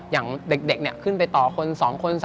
อย่างเด็กขึ้นไปต่อคน๒คน๓